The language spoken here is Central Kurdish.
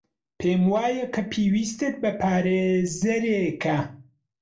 پێم وایە کە پێویستت بە پارێزەرێکە.